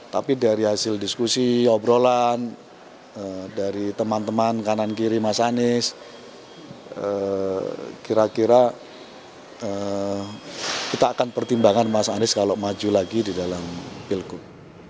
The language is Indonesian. tapi dari hasil diskusi obrolan dari teman teman kanan kiri mas anies kira kira kita akan pertimbangkan mas anies kalau maju lagi di dalam pilgub